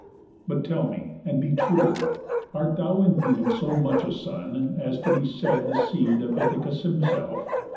But tell me, and be true: Art thou indeed So much a son, as to be said the seed Of Ithacus himself?